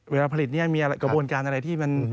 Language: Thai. เวลาผลิตเนี่ยมีกระบวนการอะไรที่มัน